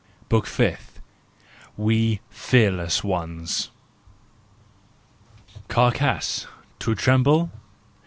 BOOK FIFTH WE FEARLESS ONES "Carcasse, tu trembles?